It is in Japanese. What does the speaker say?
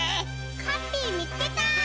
ハッピーみつけた！